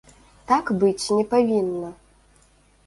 Так быць не павінна!